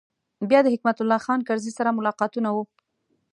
بیا د حکمت الله خان کرزي سره ملاقاتونه و.